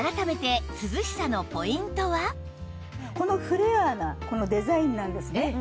では改めてこのフレアなこのデザインなんですね。